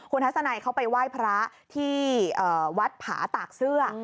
คุณทัศนัยเขาไปไหว้พระที่วัดผาตากเสื้อ